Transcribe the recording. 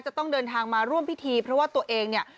จะต้องเดินทางมาร่วมพิธีเพราะว่าตัวเองเนี่ย